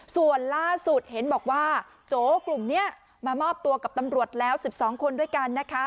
ส่วนล่าสุดเห็นบอกว่าโจกลุ่มนี้มามอบตัวกับตำรวจแล้ว๑๒คนด้วยกันนะคะ